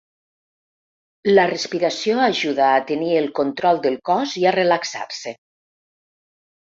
La respiració ajuda a tenir el control del cos i a relaxar-se.